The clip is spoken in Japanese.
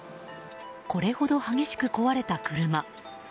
これほど激しく壊れた車。